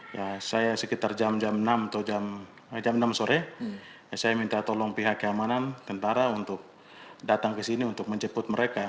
ya saya sekitar jam enam atau jam enam sore saya minta tolong pihak keamanan tentara untuk datang ke sini untuk menjemput mereka